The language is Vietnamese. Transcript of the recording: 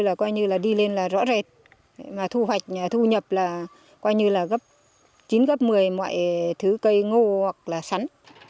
là coi như là đi lên là rõ rệt mà thu hoạch thu nhập là coi như là gấp chín gấp một mươi mọi thứ cây ngô hoặc là sắn